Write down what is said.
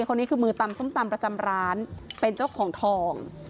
คนนี้คือมือตำส้มตำประจำร้านเป็นเจ้าของทอง